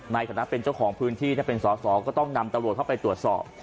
ในฐานะเป็นเจ้าของพื้นที่ถ้าเป็นสอสอก็ต้องนำตำรวจเข้าไปตรวจสอบ